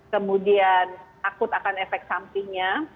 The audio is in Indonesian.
kemudian takut akan efek sampingnya